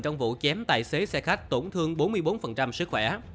trong vụ chém tài xế xe khách tổn thương bốn mươi bốn sức khỏe